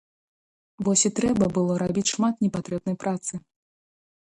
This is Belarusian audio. Вось і трэба было рабіць шмат непатрэбнай працы.